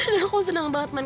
dan aku senang banget man